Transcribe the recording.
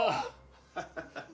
ハハハハ。